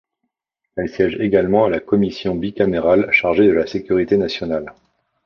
Elle siège également à la commission bicamérale chargée de la Sécurité nationale.